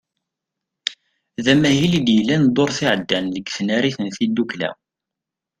D amahil i d-yellan ddurt iɛeddan deg tnarit n tiddukla.